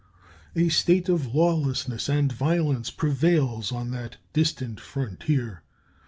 A state of lawlessness and violence prevails on that distant frontier.